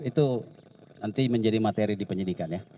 itu nanti menjadi materi dipenjadikan ya